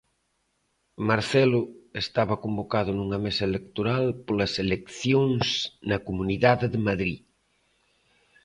Marcelo estaba convocado nunha mesa electoral polas eleccións na Comunidade de Madrid.